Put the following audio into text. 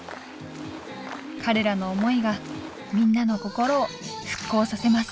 彼らの思いがみんなの心を復興させます。